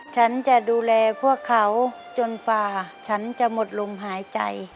ฉันจะดูแลพวกเขาจนฝ่าฉันจะหมดลมหายใจ